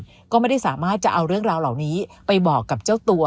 แล้วก็ไม่ได้สามารถจะเอาเรื่องราวเหล่านี้ไปบอกกับเจ้าตัว